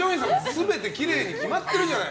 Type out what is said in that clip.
全てきれいに決まってるじゃない！